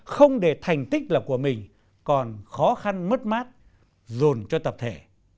không để thành tích là của mình còn khó khăn mất mát dồn cho tập thể